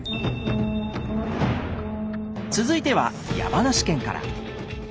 続いては山梨県から。